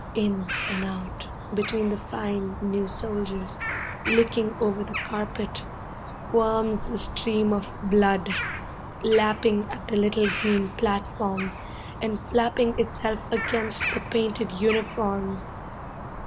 In and out, between the fine, new soldiers, licking over the carpet, squirms the stream of blood, lapping at the little green platforms, and flapping itself against the painted uniforms.